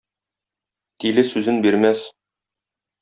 Тиле сүзен бирмәс.